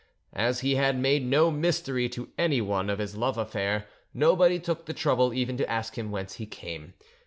As he had made no mystery to anyone of his love affair, nobody took the trouble even to ask him whence he came.